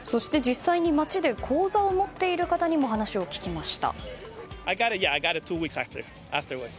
そして実際に街で口座を持っている方にも話を聞きました。